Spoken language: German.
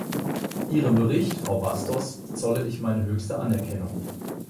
Ihrem Bericht, Frau Bastos, zolle ich meine höchste Anerkennung.